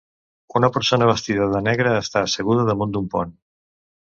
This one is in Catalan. Una persona vestida de negre està asseguda damunt d'un pont.